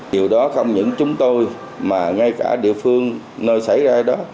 điều đó không những chúng tôi mà ngay cả địa phương nơi xảy ra đó